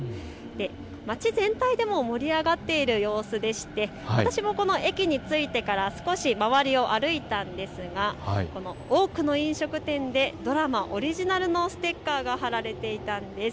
町全体でも盛り上がっている様子でして私もこの駅に着いてから少し周りを歩いたんですが多くの飲食店でドラマオリジナルのステッカーが貼られていたんです。